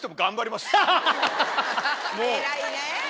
偉いね。